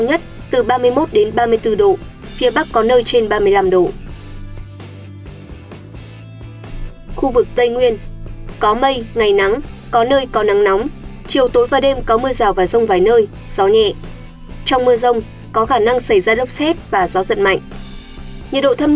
nhiệt độ cao nhất từ ba mươi một đến ba mươi bốn độ có nơi trên ba mươi năm độ